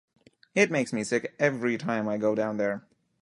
It makes me sick every time I go down there.